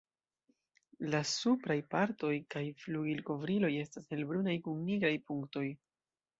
La supraj partoj kaj flugilkovriloj estas helbrunaj kun nigraj punktoj.